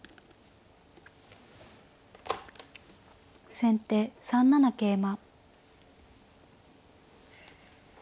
先手３七桂馬。